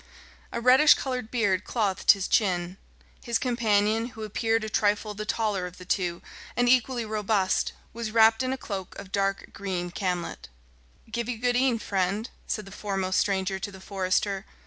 A reddish coloured beard clothed his chin. His companion, who appeared a trifle the taller of the two, and equally robust, was wrapped in a cloak of dark green camlet. "Give you good e'en, friend," said the foremost stranger to the forester.